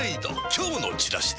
今日のチラシで